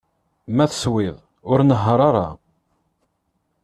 Ma teswiḍ, ur nehheṛ ara!